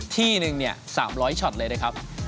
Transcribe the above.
ที่หนึ่ง๓๐๐ช็อตเลยนะครับ